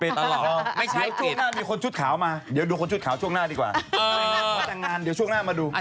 ถ้าผู้ชมเตรียมกระดาษไว้จดเลยด้วย